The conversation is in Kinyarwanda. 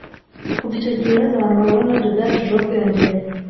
Kuva icyo gihe, ibibazo abantu bahura na byo byarushijeho kwiyongera